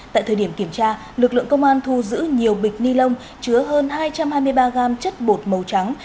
tại thời điểm kiểm tra lực lượng công an thu giữ nhiều bịch ni lông chứa hơn hai trăm hai mươi ba gam chất bột màu trắng